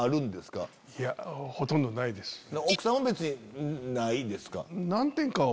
奥さんは別にないですか？